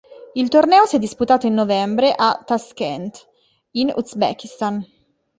Il torneo si è disputato in novembre a Tashkent in Uzbekistan.